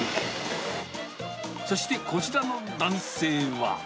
そして、こちらの男性は。